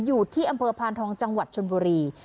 อยู่ที่อำเภอพานทองจังหวัดชนบุรี